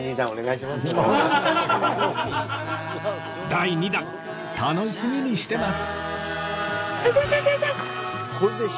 第２弾楽しみにしてます！